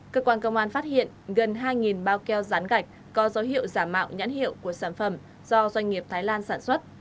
cơ quan công an phát hiện gần hai bao keo rán gạch có dấu hiệu giả mạo nhãn hiệu của sản phẩm do doanh nghiệp thái lan sản xuất